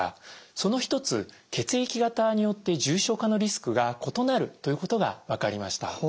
その一つ血液型によって重症化のリスクが異なるということが分かりました。